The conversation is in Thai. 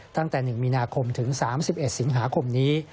ตั้งแต่๑มีนาคมถึง๓๑สิงหาคมนี้